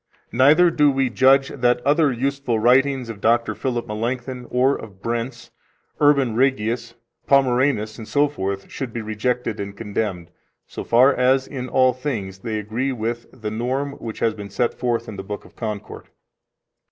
Neither do we judge that other useful writings of Dr. Philip Melanchthon, or of Brenz, Urban Rhegius, Pomeranus, etc., should be rejected and condemned, so far as, in all things, they agree with the norm which has been set forth in the Book of Concord.